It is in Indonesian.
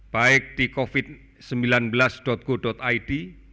baik di covid sembilan belas go id